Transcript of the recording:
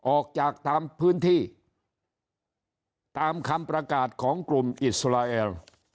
ออกจากตามพื้นที่ตามคำประกาศของกลุ่มอิสราเอล